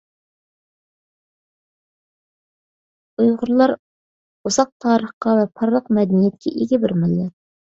ئۇيغۇرلار — ئۇزاق تارىخقا ۋە پارلاق مەدەنىيەتكە ئىگە بىر مىللەت.